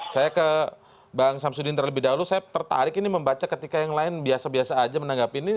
saya ke bang samsudin terlebih dahulu saya tertarik ini membaca ketika yang lain biasa biasa aja menanggapi ini